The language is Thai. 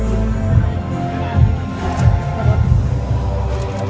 สโลแมคริปราบาล